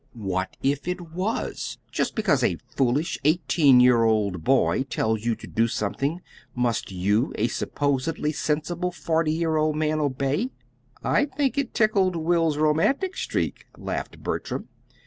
"What if it was? Just because a foolish eighteen year old boy tells you to do something, must you, a supposedly sensible forty year old man obey?" "I think it tickled Will's romantic streak," laughed Bertram.